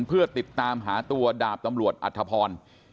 เพื่อติดตามหาตัวดาบตำรวจอัธพร